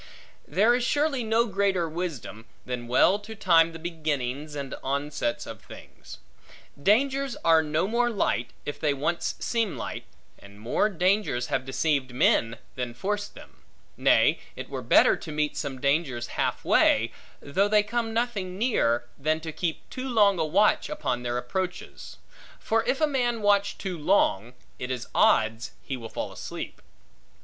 There is surely no greater wisdom, than well to time the beginnings, and onsets, of things. Dangers are no more light, if they once seem light; and more dangers have deceived men, than forced them. Nay, it were better, to meet some dangers half way, though they come nothing near, than to keep too long a watch upon their approaches; for if a man watch too long, it is odds he will fall asleep.